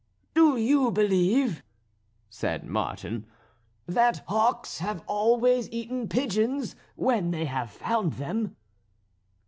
"Do you believe," said Martin, "that hawks have always eaten pigeons when they have found them?"